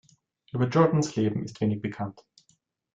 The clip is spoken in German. Über Jordanes’ Leben ist wenig bekannt.